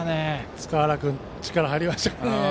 塚原君、力が入りましたね。